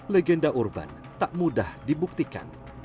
legenda urban tak mudah dibuktikan